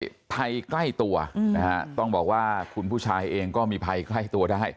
ภัยใกล้ตัวนะฮะต้องบอกว่าคุณผู้ชายเองก็มีภัยใกล้ตัวได้